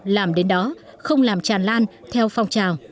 làm đến đó không làm tràn lan theo phong trào